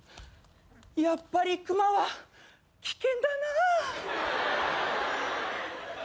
やっぱり熊は危険だな。